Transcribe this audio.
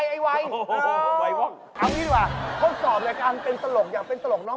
อันนี้ดีกว่าพวายตโศกในการเป็นตลกอย่างเป็นตลกน้อง